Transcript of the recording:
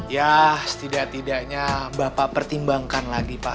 ya setidak tidaknya bapak pertimbangkan lagi pak